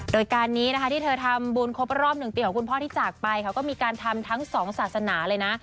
โดยการนี้นะคะที่เธอทำบุญครบรอบ๑ปีของคุณพ่อที่จากไปเขาก็มีการทำทั้งสองศาสนาเลยนะ